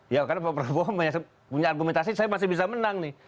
ya karena pak prabowo punya argumentasi saya masih bisa menang nih